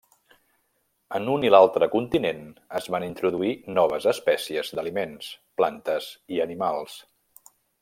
En un i l'altre continent es van introduir noves espècies d'aliments, plantes i animals.